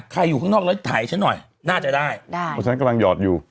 อยู่ข้างนอกแล้วถ่ายฉันหน่อยน่าจะได้ได้เพราะฉะนั้นกำลังหยอดอยู่